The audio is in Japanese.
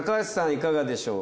いかがでしょう？